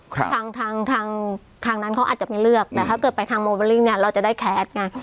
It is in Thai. ทางทางทางนั้นเขาอาจจะไม่เลือกแต่ถ้าเกิดไปทางโมเบอรี่เนี่ยเราจะได้แคสไง